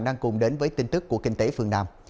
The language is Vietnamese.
đang cùng đến với tin tức của kinh tế phương nam